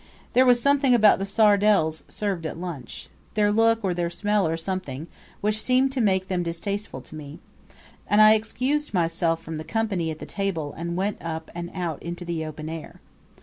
There was something about the sardels served at lunch their look or their smell or something which seemed to make them distasteful to me; and I excused myself from the company at the table and went up and out into the open air.